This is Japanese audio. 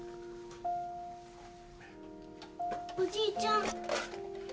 おじいちゃん。